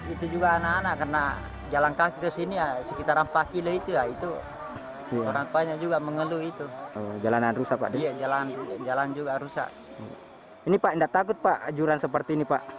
ini pak enggak takut pak juran seperti ini pak